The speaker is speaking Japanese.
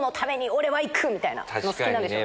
みたいなの好きなんでしょうね。